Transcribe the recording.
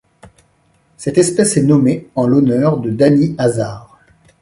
Cette espèce est nommée en l'honneur de Dany Azar.